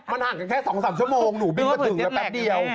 มันห่างกันแค่๒๓ชั่วโมงหนูบินกระถึงแปปเดียว